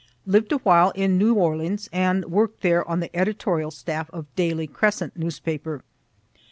Lived awhile in New Orleans, and work'd there on the editorial staff of "daily Crescent" newspaper.